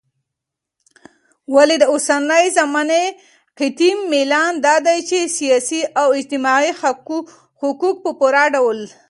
ولي داوسنۍ زماني قطعي ميلان دادى چې سياسي او اجتماعي حقوق په پوره ډول